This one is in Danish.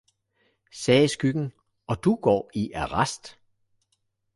sagde skyggen, og du går i arrest!